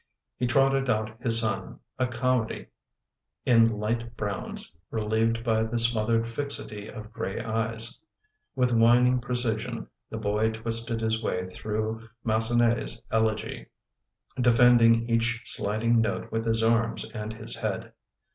He trotted out his son, a comedy in light browns relieved by the smothered fixity of gray eyes. With whining precision the boy twisted his way through Massenet's Elegy, defending each sliding note with his arms and his head.